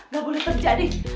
gak boleh terjadi